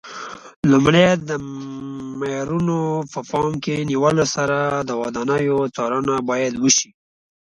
لومړی د معیارونو په پام کې نیولو سره د ودانیو څارنه باید وشي.